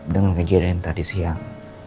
dengan kejadian tadi siang